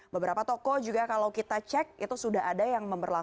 beberapa toko juga kalau kita cek itu sudah ada yang memperlakukan